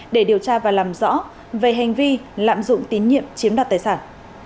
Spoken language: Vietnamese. để điều tra và làm rõ về hành vi lạm dụng tín nhiệm chiếm đoạt tài sản